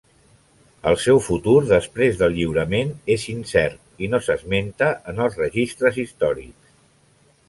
El seu futur després del lliurament és incert i no s'esmenta en els registres històrics.